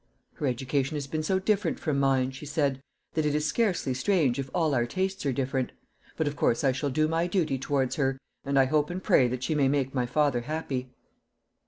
"Her education has been so different from mine," she said, "that it is scarcely strange if all our tastes are different. But, of course, I shall do my duty towards her, and I hope and pray that she may make my father happy."